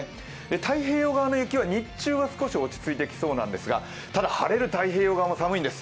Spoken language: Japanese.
太平洋側の雪は日中は少し落ち着いてきそうなんですがただ晴れる太平洋側も寒いんです。